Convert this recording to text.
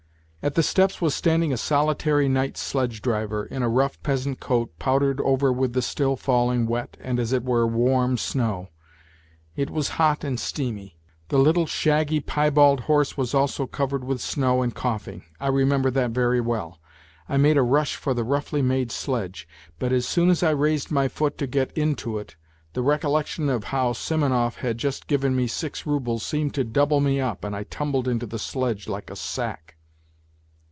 At the steps was standing a solitary night sledge driver in a rough peasant coat, powdered over with the still falling, wet, and as it were warm, snow. It was hot and steamy. The little shaggy piebald horse was also covered with snow and coughing, I remember that very well. I made a rush for the roughly made sledge ; but as soon as I raised my foot to get into it, the recol lection of how Simonov had just given me six roubles seemed to double me up and I tumbled into the sledge like a sack.